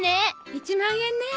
１万円ね。